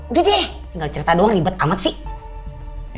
udah deh tinggal cerita doang ribet amat sih